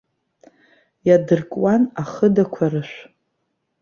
Иадыркуан ахыдақәа рышә.